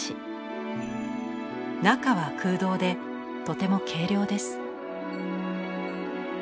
中は空洞でとても軽量です。